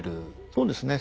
そうですね。